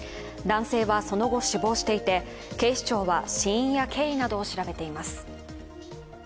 男性はその後、死亡していて警視庁は死因や経緯などを調べています。